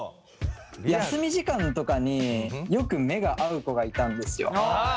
休み時間とかによく目が合う子がいたんですよ。